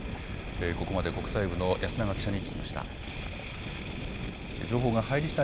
ここまで国際部の安永記者に聞きました。